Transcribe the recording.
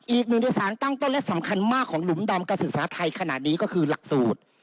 อีกหนึ่งโดยสารตั้งต้นและสำคัญมากของหลุมดำการศึกษาไทยขนาดนี้ก็คือหลักสูตร